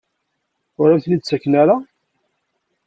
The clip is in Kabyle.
Ur am-ten-id-ttaken ara?